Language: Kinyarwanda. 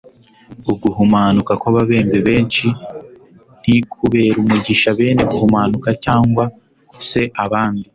Uguhumanuka kw'ababembe benshi ntikubere umugisha bene guhumanuka cyangwa se abandi.